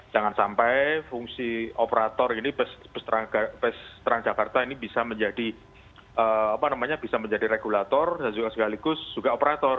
jangan sampai fungsi operator ini pes terang jakarta ini bisa menjadi regulator dan sekaligus juga operator